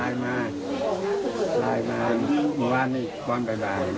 ไลน์มาไลน์มาอีกวันอีกวันบ่าย